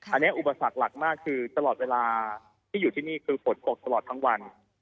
อันนี้อุปสรรคหลักมากคือตลอดเวลาที่อยู่ที่นี่คือฝนตกตลอดทั้งวัน